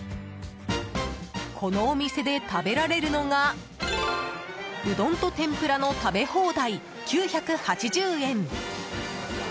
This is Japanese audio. このお店で食べられるのがうどんと天ぷらの食べ放題９８０円。